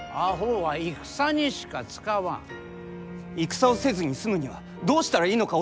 戦をせずに済むにはどうしたらいいのか教えてくだされ！